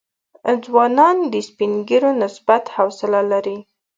ځوانان د سپین ږیرو نسبت حوصله لري.